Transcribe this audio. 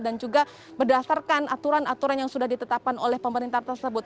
dan juga berdasarkan aturan aturan yang sudah ditetapkan oleh pemerintah tersebut